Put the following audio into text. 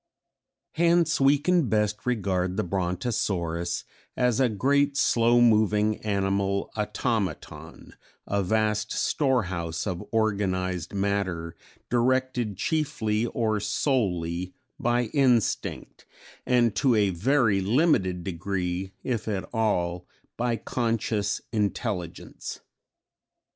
Hence we can best regard the Brontosaurus as a great, slow moving animal automaton, a vast storehouse of organized matter directed chiefly or solely by instinct, and to a very limited degree, if at all, by conscious intelligence.